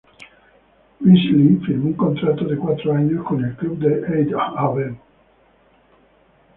Beasley firmó un contrato de cuatro años con el club de Eindhoven.